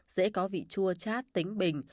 dễ có vị chua chát tính bình